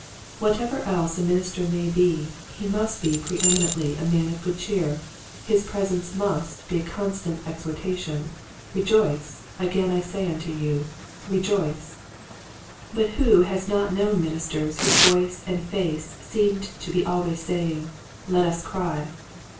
Whatever else a minister may be he must be pre eminently a man of good cheer. His presence must be a constant exhortation, Rejoice, again I say unto you Rejoice ! Clerical Hamlets. 6/ But who has not known ministers whose voice and face seemed to be always saying, Let us cry